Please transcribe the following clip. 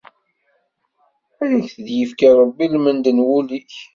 Ad k-d-yefk Ṛebbi lmend n wul-ik.